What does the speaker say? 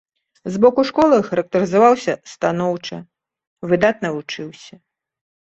З боку школы характарызаваўся станоўча, выдатна вучыўся.